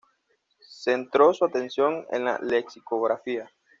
Centró su atención en la lexicografía.